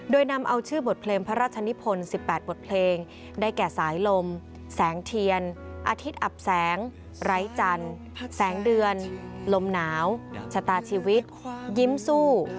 โดยนำเอาชื่อบทเพลงพระราชนิพล๑๘บทเพลงได้แก่สายลมแสงเทียนอาทิตย์อับแสงไร้จันทร์แสงเดือนลมหนาวชะตาชีวิตยิ้มสู้